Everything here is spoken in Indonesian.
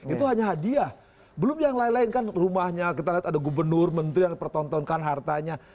itu hanya hadiah belum yang lain lain kan rumahnya kita lihat ada gubernur menteri yang dipertontonkan hartanya